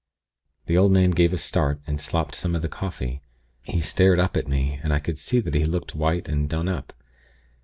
"The old man gave a start, and slopped some of the coffee. He stared up at me, and I could see that he looked white and done up.